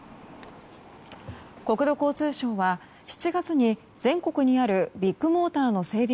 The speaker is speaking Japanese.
国土交通省は、７月に全国にあるビッグモーターの整備